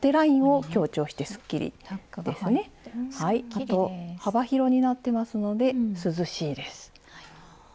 あと幅広になってますので涼しいです。